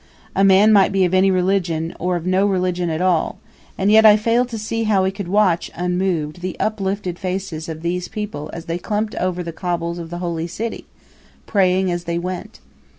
A man might be of any religion or of no religion at all, and yet I fail to see how he could watch, unmoved, the uplifted faces of these people as they clumped over the cobbles of the Holy City, praying as they went.